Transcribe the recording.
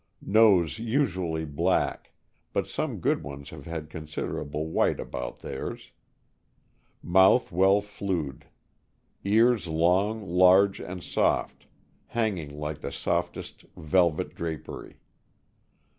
Nose usually black; but some good ones have had considerable white about theirs. Mouth well flewed. Ears long, large, and soft, hanging like the softest velvet drapery.